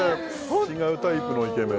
違うタイプのイケメン